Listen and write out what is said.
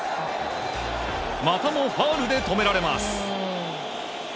またもファウルで止められます。